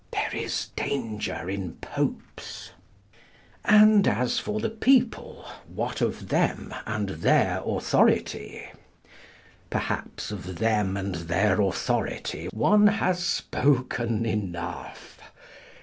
There is danger in Popes. And as for the People, what of them and their authority? Perhaps of them and their authority one has spoken enough.